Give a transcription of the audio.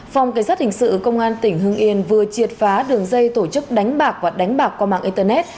phòng cảnh sát hình sự công an tỉnh hưng yên vừa triệt phá đường dây tổ chức đánh bạc và đánh bạc qua mạng internet